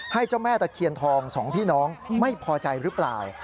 เจ้าแม่ตะเคียนทองสองพี่น้องไม่พอใจหรือเปล่า